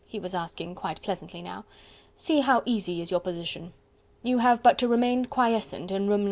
he was asking quite pleasantly now. "See how easy is your position: you have but to remain quiescent in room No.